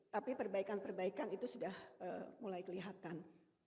tapi perbaikan perbaikan itu sudah mulai kelihatan